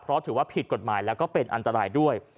เพราะถือว่าผิดกฎหมายแล้วก็เป็นอันตรายด้วย